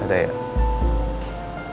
yaudah ya ya ya